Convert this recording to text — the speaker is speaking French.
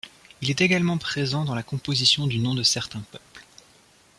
Il est également présent dans la composition du nom de certains peuples.